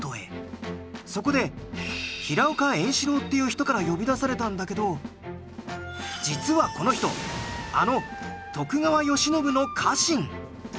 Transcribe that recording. そこで平岡円四郎っていう人から呼び出されたんだけど実はこの人あの徳川慶喜の家臣。